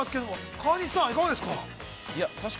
川西さん、いかがですか。